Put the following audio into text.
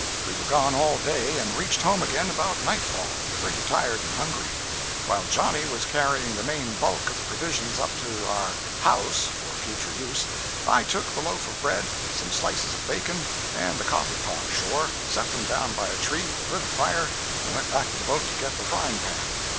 We were gone all day, and reached home again about night fall, pretty tired and hungry. While Johnny was carrying the main bulk of the provisions up to our "house" for future use, I took the loaf of bread, some slices of bacon, and the coffee pot, ashore, set them down by a tree, lit a fire, and went back to the boat to get the frying pan.